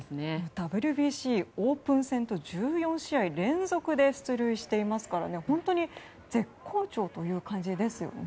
ＷＢＣオープン戦と１４試合連続で出塁していますから本当に絶好調という感じですよね。